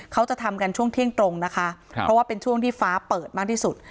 เขาจะทำกันช่วงเที่ยงตรงนะคะเพราะว่าเป็นช่วงที่ฟ้าเปิดมากที่สุด